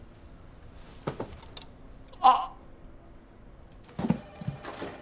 あっ！